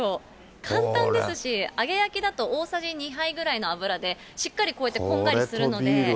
簡単ですし、揚げ焼きだと、大さじ２杯ぐらいの油でしっかりこうやってこんがりするので。